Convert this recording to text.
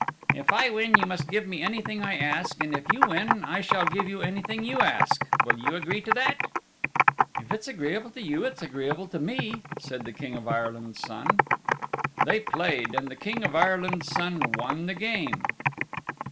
"If I win you must give me anything I ask, and if you win I shall give you anything you ask. Will you agree to that?" "If it is agreeable to you it is agreeable to me," said the King of Ireland's Son. They played, and the King of Ireland's Son won the game.